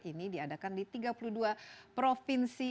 ini diadakan di tiga puluh dua provinsi